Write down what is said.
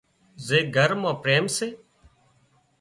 زي گھر مان پريم سي